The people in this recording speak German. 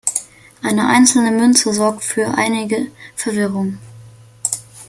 Eine einzelne Münze sorgte für einige Verwirrung.